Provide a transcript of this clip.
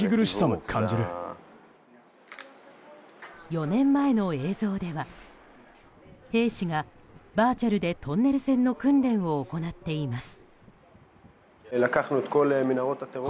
４年前の映像では兵士がバーチャルでトンネル戦の訓練を行っています。